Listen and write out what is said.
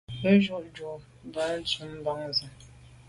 Ke ghù jujù dun ntùm bam se.